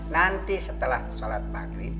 nanti setelah sholat maghrib